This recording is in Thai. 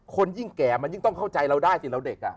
คนยิ่งแก่มันยิ่งต้องเข้าใจเราได้สิเราเด็ก